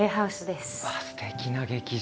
すてきな劇場！